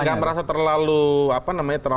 tapi tidak merasa terlalu apa namanya terlalu